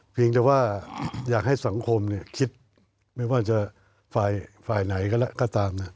เพียงแต่ว่าอยากให้สังคมคิดไม่ว่าจะฝ่ายไหนก็แล้วก็ตาม